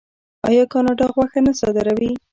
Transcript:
آیا کاناډا غوښه نه صادروي؟